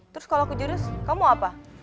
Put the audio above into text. terus kalau aku jurus kamu apa